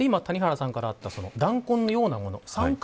今、谷原さんからあった弾痕のようなもの。